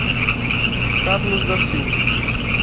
Carlos da Silva